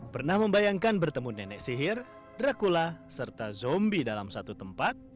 pernah membayangkan bertemu nenek sihir dracula serta zombie dalam satu tempat